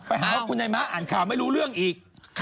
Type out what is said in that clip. ไปหาว่าคุณนายม้าอ่านข่าวไม่รู้เรื่องอีก